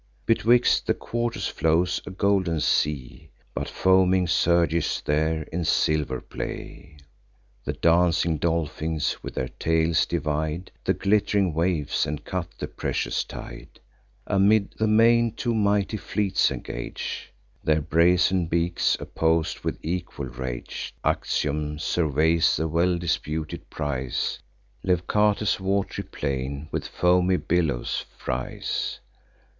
Betwixt the quarters flows a golden sea; But foaming surges there in silver play. The dancing dolphins with their tails divide The glitt'ring waves, and cut the precious tide. Amid the main, two mighty fleets engage Their brazen beaks, oppos'd with equal rage. Actium surveys the well disputed prize; Leucate's wat'ry plain with foamy billows fries.